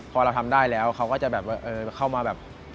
พอเราทำได้แล้วเขาก็จะแบบว่าเข้ามาแบบ